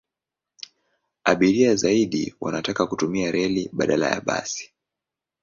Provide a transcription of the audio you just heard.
Abiria zaidi wanataka kutumia reli badala ya basi.